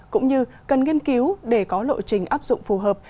cũng như cần nghiên cứu để có lộ trình áp dụng phù hợp